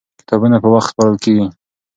کتابونه په وخت سپارل کېږي.